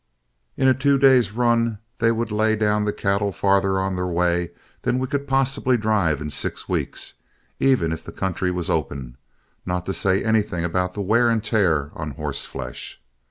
In a two days' run they would lay down the cattle farther on their way than we could possibly drive in six weeks, even if the country was open, not to say anything about the wear and tear of horseflesh.